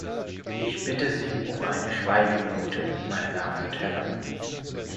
Ich bitte Sie um eine Schweigeminute, meine Damen und Herren.